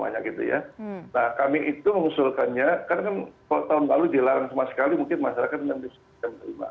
nah kami itu mengusulkannya kan kalau tahun lalu dilarang sama sekali mungkin masyarakat bisa menerima